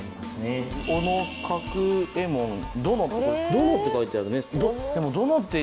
「殿」って書いてあるね。